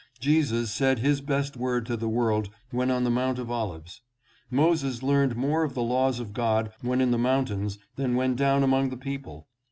Jesus said his best word to the world when on the Mount of Olives. Moses learned more of the laws of God when in the mountains than when down among the people.